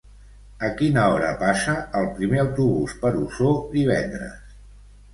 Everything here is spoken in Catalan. A quina hora passa el primer autobús per Osor divendres?